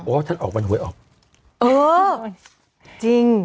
ท่านออกวันหวยออกเออจริง